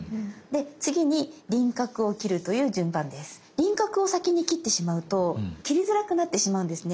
輪郭を先に切ってしまうと切りづらくなってしまうんですね。